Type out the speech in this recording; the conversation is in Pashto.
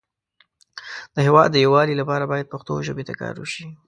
د هیواد د یو والی لپاره باید پښتو ژبې ته کار وشی